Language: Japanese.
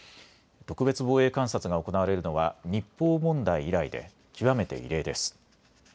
特別防衛監察が行われるのは日報問題以来で極めて異例です。